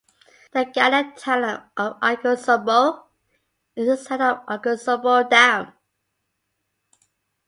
The Ghana town of Akosombo is the site of the Akosombo Dam.